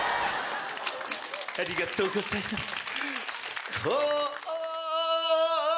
ありがとうございます。